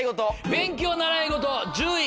勉強・習い事１０位。